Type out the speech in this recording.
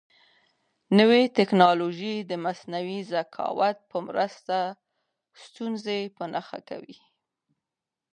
نوې تکنالوژي د مصنوعي ذکاوت په مرسته ستونزې په نښه کوي.